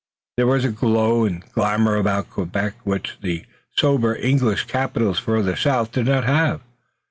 There was a glow and glamor about Quebec which the sober English capitals farther south did not have.